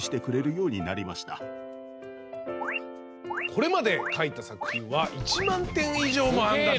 これまで描いた作品は１万点以上もあんだって。